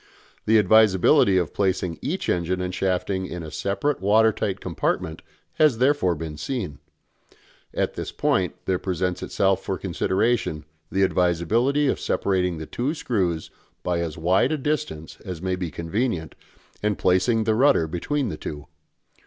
The advisability of placing each engine and shafting in a separate water tight compartment has therefore been seen. At this point there presents itself for consideration the advisability of separating the two screws by as wide a distance as may be convenient and placing the rudder between the two.